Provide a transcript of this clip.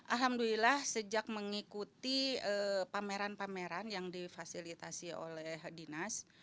alhamdulillah sejak mengikuti pameran pameran yang difasilitasi oleh dinas